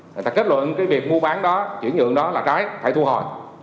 người ta kết luận cái việc mua bán đó chuyển nhượng đó là cái phải thu hồi